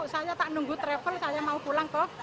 saya tak nunggu travel saya mau pulang kok